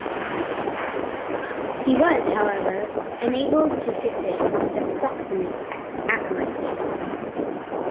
He was, however enabled to fix it with approximate accuracy.